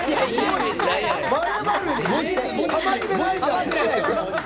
○○にはまってない。